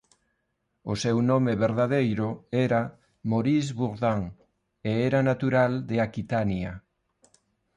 O seu nome verdadeiro era Maurice Bourdin e era natural de Aquitania.